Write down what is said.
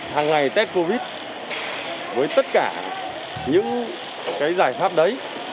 hàng ngày test covid một mươi chín với tất cả những giải pháp đấy